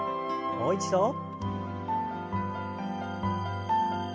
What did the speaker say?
もう一度。